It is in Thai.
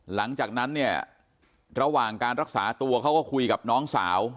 หลังจากนั้นเนี่ยระหว่างการรักษาตัวเขาก็คุยกับน้องสาว